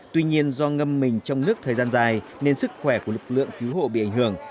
tuy nhiên do ngâm mình trong nước thời gian dài nên sức khỏe của lực lượng cứu hộ bị ảnh hưởng